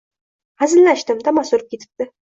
- Hazillashdim, damas urib ketibdi...